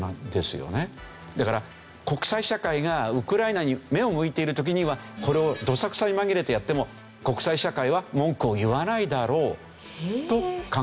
だから国際社会がウクライナに目を向いている時にはこれをドサクサに紛れてやっても国際社会は文句を言わないだろうと考えているわけですよね。